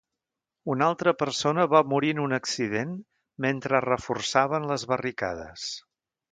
Una altra persona va morir en un accident mentre es reforçaven les barricades.